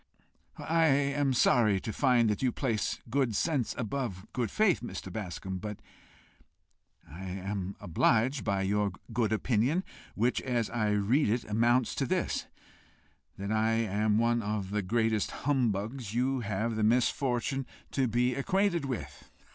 "I am sorry to find that you place good sense above good faith, Mr. Bascombe; but I am obliged by your good opinion, which, as I read it, amounts to this that I am one of the greatest humbugs you have the misfortune to be acquainted with."